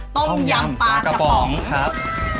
ต้มยำปลากระป๋องครับ